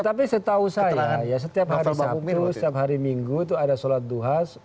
tapi setahu saya ya setiap hari sabtu setiap hari minggu itu ada sholat duhas